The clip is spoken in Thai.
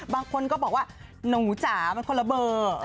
บางคนก็บอกว่าหนูจ๋ามันคนละเบอร์